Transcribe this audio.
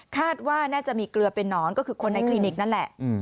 คาดว่าน่าจะมีเกลือเป็นนอนก็คือคนในคลินิกนั่นแหละ